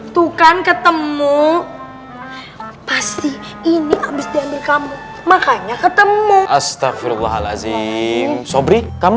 tuh kan ketemu pasti ini habis diambil kamu makanya ketemu astagfirul wahalazim sobri kamu